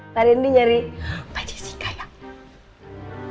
pak randy nyari pak jessica ya